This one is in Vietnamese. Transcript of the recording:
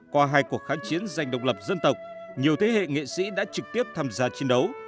qua hai cuộc kháng chiến dành độc lập dân tộc nhiều thế hệ nghệ sĩ đã trực tiếp tham gia chiến đấu